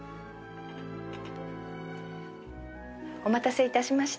お待たせいたしました。